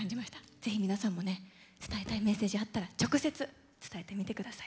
ぜひ皆さんもね伝えたいメッセージあったら直接伝えてみてください。